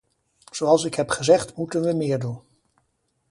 Zoals ik heb gezegd moeten we meer doen.